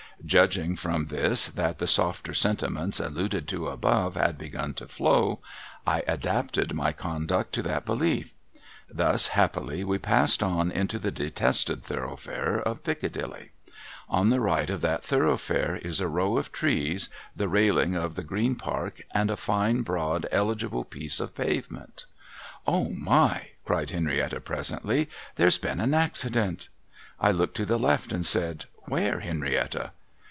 Judging from this that the softer sentiments alluded to above had begun to flow, I adapted my conduct to that belief. Thus happily we passed on into the detested thoroughfare of Piccadilly. On the right of that thoroughfare is a row of trees, the railing of the Green Park, and a fine broad eligible piece of pavement. ' Oh my !' cried Henrietta presently. ' There's been an accident !' I looked to the left, and said, ' Where, Henrietta